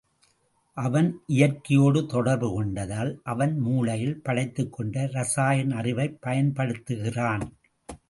அவன் இயற்கையோடு தொடர்பு கொண்டதால் அவன் மூளையில் படைத்துக் கொண்ட ரசாயன் அறிவைப் பயன்படுத்துகிறான்.